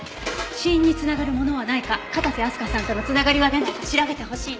死因に繋がるものはないか片瀬明日香さんとの繋がりは出ないか調べてほしいの。